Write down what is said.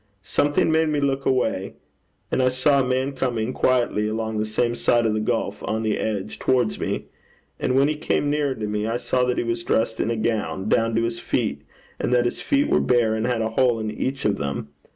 Something made me look away, and I saw a man coming quietly along the same side of the gulf, on the edge, towards me. And when he came nearer to me, I saw that he was dressed in a gown down to his feet, and that his feet were bare and had a hole in each of them.